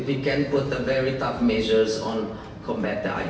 dan kami dapat menetapkan pengaturan yang sangat keras